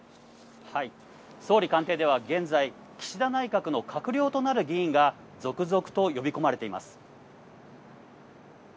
総理官邸では現在、岸田内閣の閣僚となる議員が続々と呼び込まれています。